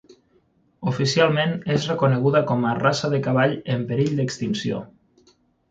Oficialment és reconeguda com a raça de cavall en perill d'extinció.